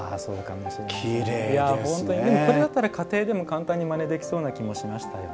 これだったら家庭でも簡単にまねできそうな気もしました。